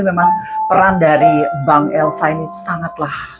memang peran dari bank elva ini sangatlah